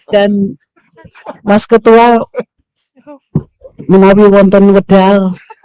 dan mas ketua menawi wonton wedal